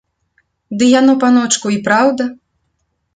Ды яно, паночку, і праўда!